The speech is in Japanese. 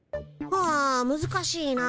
あむずかしいな。